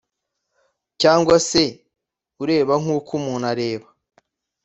cyangwa se ureba nk’uko umuntu areba’